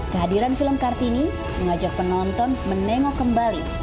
kehadiran film kartini mengajak penonton menengok kembali